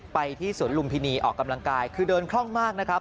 ไปที่สวนลุมพินีออกกำลังกายคือเดินคล่องมากนะครับ